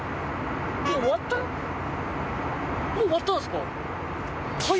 もう終わったんすか？